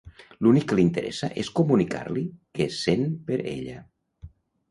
L'únic que li interessa és comunicar-li què sent per ella.